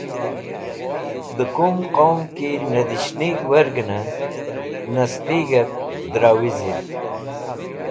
Dẽ kumd qowm ki nẽdishnig̃h werg̃hẽnẽ nastig̃hẽb dra wisit.